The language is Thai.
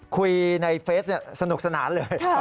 คุยในเฟสสนุกสนานเลย